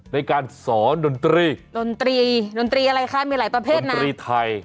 ในการสอนดนตรีดนตรีดนตรีอะไรคะมีหลายประเภทนะดนตรีไทย